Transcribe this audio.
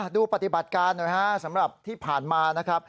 ดูปฏิบัติการสำหรับที่ผ่านมา